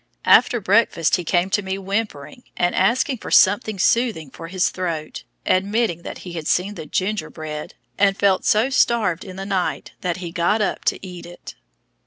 After breakfast he came to me whimpering, and asking for something soothing for his throat, admitting that he had seen the "gingerbread," and "felt so starved" in the night that he got up to eat it.